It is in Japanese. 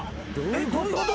えっどういうこと？